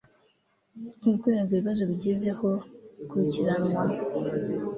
Urwego ibibazo bigezeho bikurikiranwa